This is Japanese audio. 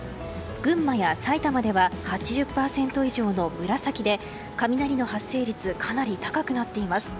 群馬や埼玉では８０％以上の紫で雷の発生率かなり高くなっています。